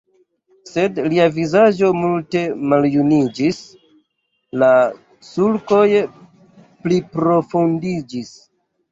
Sed lia vizaĝo multe maljuniĝis, la sulkoj pliprofundiĝis.